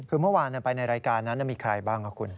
คือเมื่อวานไปในรายการนั้นมีใครบ้างครับคุณ